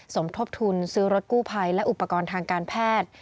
สมทบทุนซื้อรถกู้ภัยและอุปกรณ์ทางการแพทย์